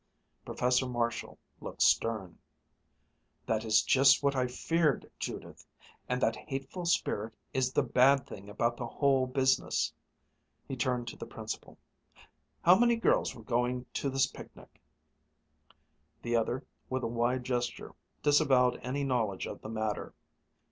Professor Marshall looked stern. "That is just what I feared, Judith, and that hateful spirit is the bad thing about the whole business." He turned to the Principal: "How many girls were going to the picnic?" The other, with a wide gesture, disavowed any knowledge of the matter.